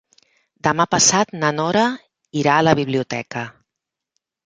Demà passat na Nora irà a la biblioteca.